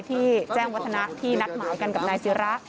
ที่แจ้งวัฒนะที่นัดหมายกันกับนายศิระ